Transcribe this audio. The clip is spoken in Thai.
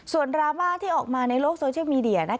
ส่วนดราม่าที่ออกมาในโลกโซเชียลมีเดีย